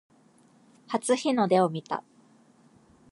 初日の出を見た